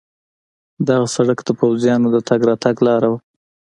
دغه سړک د پوځیانو د تګ راتګ لار وه.